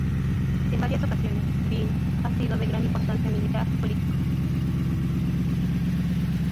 En varias ocasiones, Vinh ha sido de gran importancia militar y político.